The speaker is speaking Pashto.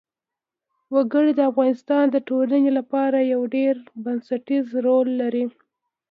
وګړي د افغانستان د ټولنې لپاره یو ډېر بنسټيز رول لري.